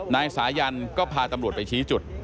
นายสายันก็พาตำรวจไปชี้จุด